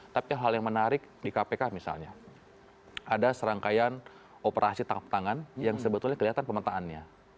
tapi hal yang menarik di kpk misalnya ada serangkaian operasi tangkap tangan yang sebetulnya kelihatan pemetaannya